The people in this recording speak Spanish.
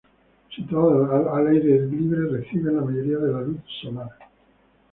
Situadas al aire libre, reciben la mayoría de la luz solar.